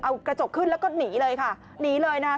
เอากระจกขึ้นแล้วก็หนีเลยค่ะหนีเลยนะคะ